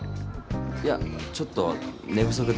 いやちょっと寝不足で。